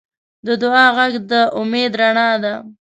د دعا غږ د امید رڼا ده.